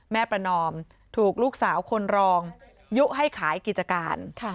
ประนอมถูกลูกสาวคนรองยุให้ขายกิจการ